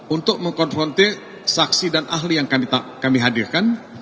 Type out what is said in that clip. untuk mengkonfrontir saksi dan ahli yang kami hadirkan